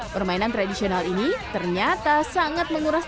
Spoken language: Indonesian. permainan tradisional ini ternyata sangat menguras